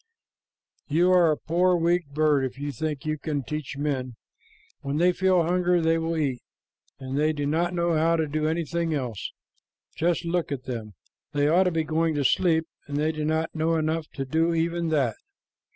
"You are a poor, weak bird, if you think you can teach men. When they feel hunger, they will eat, and they do not know how to do anything else. Just look at them! They ought to be going to sleep, and they do not know enough to do even that."